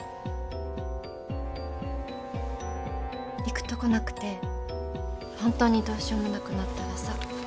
行くとこなくて本当にどうしようもなくなったらさ